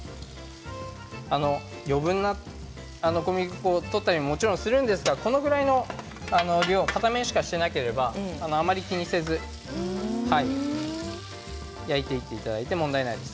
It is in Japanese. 余分な小麦粉を取ったりもちろんするんですがこのぐらいの量を片面しかしていなければあまり気にせずに焼いていていただいて問題ないです。